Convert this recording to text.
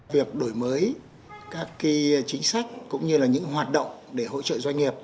việc đổi mới các chính sách cũng như là những hoạt động để hỗ trợ doanh nghiệp